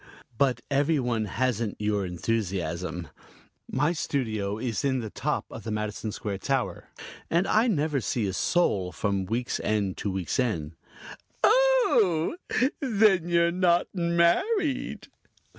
"But every one hasn't your enthusiasm. My studio is in the top of the Madison Square tower, and I never see a soul from week's end to week's end." "Oh, then you're not married."